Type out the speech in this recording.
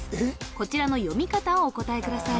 こちらの読み方をお答えください